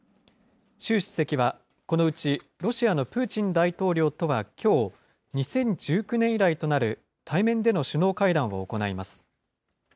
習主席はこのうちロシアのプーチン大統領とはきょう、２０１９年以来となる対面での首脳会談を行います。